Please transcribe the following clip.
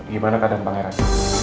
gimana kadang pangeran